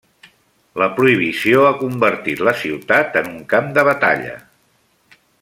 La prohibició ha convertit la ciutat en un camp de batalla.